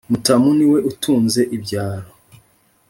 mutamu ni we utunze ibyaro